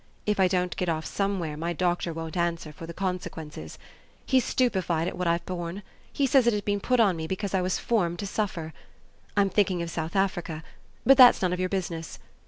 If I don't get off somewhere my doctor won't answer for the consequences. He's stupefied at what I've borne he says it has been put on me because I was formed to suffer. I'm thinking of South Africa, but that's none of your business.